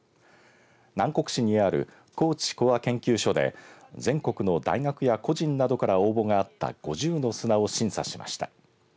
南国市にある高知コア研究所で全国の大学や個人などから応募があった５０の砂を審査しました。